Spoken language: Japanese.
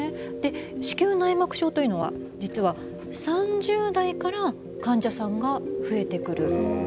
子宮内膜症というのは実は３０代から患者さんが増えてくる。